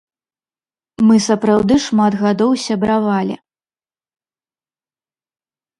Мы сапраўды шмат гадоў сябравалі.